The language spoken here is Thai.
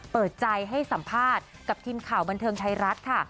เปิดใจให้สัมภาษณ์กับทีมข่าวบันเทิงไทยรัฐค่ะ